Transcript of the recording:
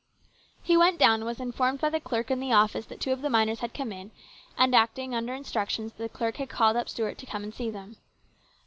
He went down and was informed by the clerk in the office that two of the miners had come in, and acting under instructions the clerk had called up Stuart to come and see them.